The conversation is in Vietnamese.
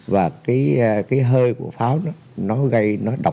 và cái hơi của pháo nó gây nó độc